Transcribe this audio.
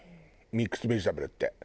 ミックスベジタブルって。